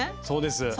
そうです。